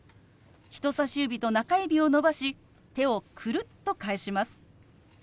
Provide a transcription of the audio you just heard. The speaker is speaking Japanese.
人さし指と中指を伸ばし手をくるっと返します。